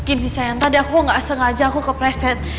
gini sayang tadi aku gak sengaja aku keplesek